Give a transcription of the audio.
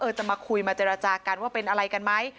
จะมาคุยมาเจรจากันว่าเป็นอะไรกันไหม